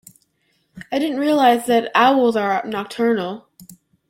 I didn't realise that owls are nocturnal.